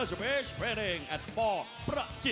สวัสดีครับทุกคน